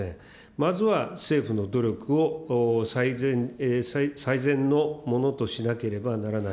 まずは政府の努力を最善のものとしなければならない。